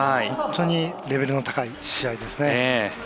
本当にレベルの高い試合ですね。